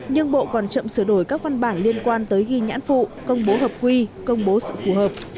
nhưng bộ còn chậm sửa đổi các văn bản liên quan tới ghi nhãn phụ công bố hợp quy công bố sự phù hợp